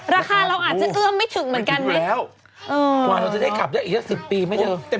ราคาเราอาจจะแน่ไม่ถึงแบบกันไหม